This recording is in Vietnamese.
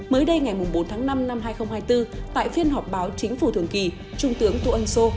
mới đây ngày bốn tháng năm năm hai nghìn hai mươi bốn tại phiên họp báo chính phủ thường kỳ trung tướng tô ân sô